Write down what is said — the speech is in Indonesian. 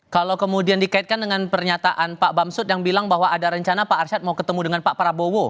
kalau kemudian dikaitkan dengan pernyataan pak bamsud yang bilang bahwa ada rencana pak arsyad mau ketemu dengan pak prabowo